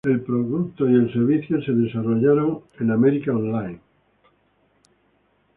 El producto y el servicio fueron desarrollados por America Online.